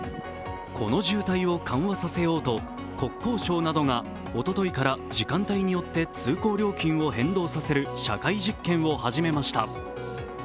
この渋滞を緩和させようと国交省などがおとといから時間帯によって通行料金を変動させる社会実験を始めました。